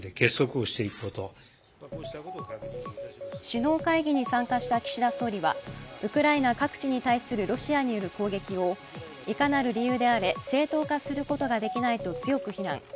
首脳会議に参加した岸田総理はウクライナ各地に対するロシアによる攻撃をいかなる理由であれ正当化することができないと強く非難。